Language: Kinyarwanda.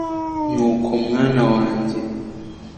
nuko, mwana wanjye